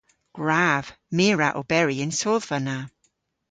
Gwrav. My a wra oberi y'n sodhva na.